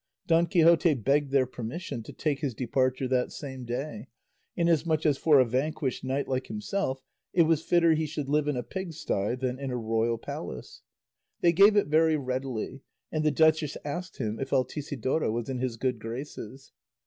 Don Quixote begged their permission to take his departure that same day, inasmuch as for a vanquished knight like himself it was fitter he should live in a pig sty than in a royal palace. They gave it very readily, and the duchess asked him if Altisidora was in his good graces.